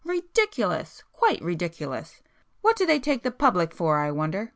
Ridiculous—quite ridiculous!—what do they take the public for I wonder!